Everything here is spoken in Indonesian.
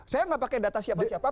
saya nggak pakai data siapa siapa